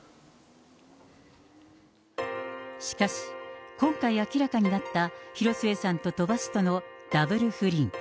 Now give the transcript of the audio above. しかし、今回明らかになった、広末さんと鳥羽氏とのダブル不倫。